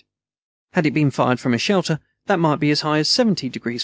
Had it been fired from a shelter, that might be as high as 70° F.